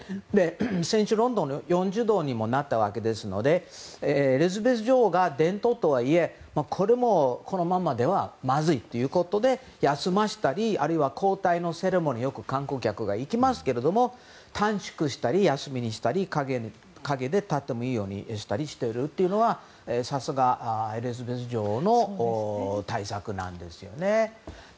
先週、ロンドンは４０度にもなったわけですのでエリザベス女王が、伝統とはいえこのままではまずいということで休ませたりあるいは交代のセレモニーをよく観光客が行きますけども短縮したり休みにしたり陰で立ってもいいようにしているのはさすが、エリザベス女王の対策なんですよね。